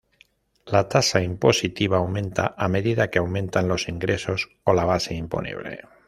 La tasa impositiva aumenta a medida que aumentan los ingresos o la base imponible.